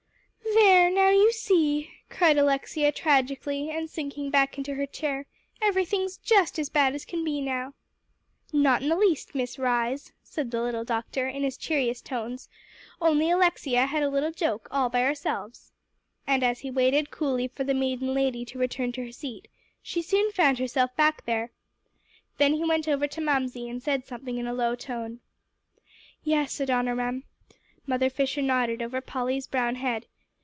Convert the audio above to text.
"There, now, you see," cried Alexia tragically, and sinking back in her chair; "everything's just as bad as can be now." "Not in the least, Miss Rhys," the little doctor said in his cheeriest tones, "only Alexia and I had a little joke all by ourselves." And as he waited coolly for the maiden lady to return to her seat, she soon found herself back there. Then he went over to Mamsie, and said something in a low tone. "Yes, Adoniram." Mother Fisher nodded over Polly's brown head.